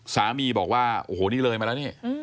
สามีบอกว่าโอ้โหนี่เลยมาแล้วนี่